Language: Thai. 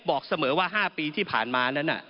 บอกเสมอว่า๕ปีที่ผ่านมานั้น